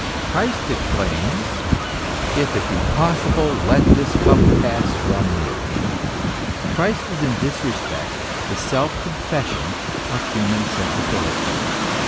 60 THE ESSENCE OF CHRISTIANITY. exclaims :" If it be possible, let tbis cup pass from me."* Christ is in tbis respect the self confession of human sensibility.